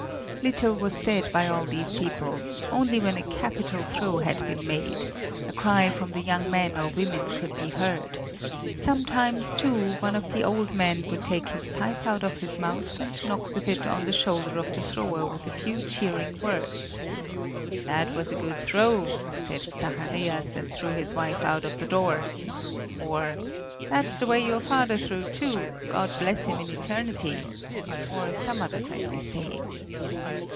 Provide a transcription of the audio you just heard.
Little was said by all these people; only when a capital throw had been made, a cry from the young men or women could be heard; sometimes, too, one of the old men would take his pipe out of his mouth and knock with it on the shoulder of the thrower with a few cheering words: "That was a good throw, said Zacharias, and threw his wife out of the door!" or: "That's the way your father threw, too; God bless him in eternity!" or some other friendly saying.